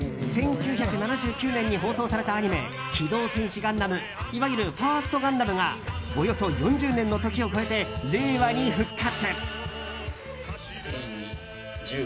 １９７９年に放送されたアニメ「機動戦士ガンダム」いわゆるファーストガンダムがおよそ４０年の時を越えて令和に復活。